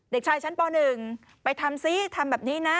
เด็กชายชั้นป๑ไปทำซิทำแบบนี้นะ